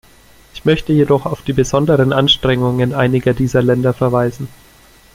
Ich möchte jedoch auf die besonderen Anstrengungen einiger dieser Länder verweisen.